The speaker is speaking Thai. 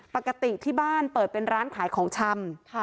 ปกติที่บ้านเปิดเป็นร้านขายของชำ